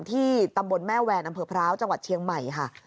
ที่ตำบลแม่แวนอำเภอพร้าวจังหวัดเชียงใหม่ค่ะ